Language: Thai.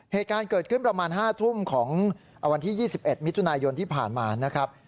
เหตุการณ์เกิดขึ้นประมาณ๕ทุ่มของวันที่๒๑มิถุนายนที่ผ่านมานะครับ